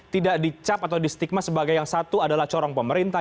tidak dicap atau distigma sebagai yang satu adalah corong pemerintah